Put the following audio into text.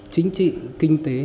chính trị kinh tế